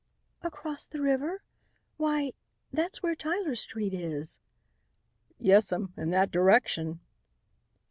"Across the river? Why that's where Tyler street is." "Yes'm, in that direction."